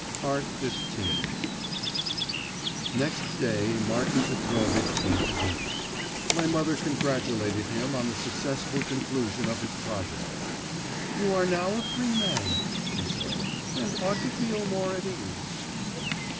XV Next day Martin Petrovitch came to dinner. My mother congratulated him on the successful conclusion of his project. 'You are now a free man,' she said, 'and ought to feel more at ease.